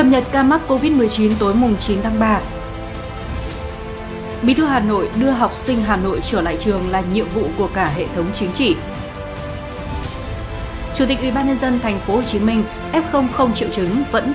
hãy đăng ký kênh để ủng hộ kênh của chúng mình nhé